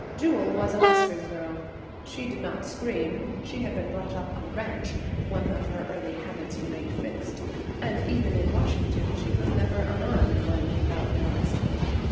Jewel was a Western girl. She did not scream. She had been brought up on a ranch; one of her early habits remained fixed, and even in Washington she was never unarmed when without male escort.